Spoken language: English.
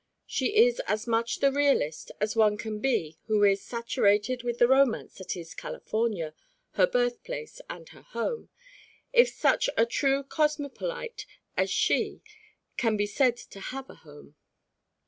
She is as much the realist as one can be who is saturated with the romance that is California, her birthplace and her home, if such a true cosmopolite as she can be said to have a home.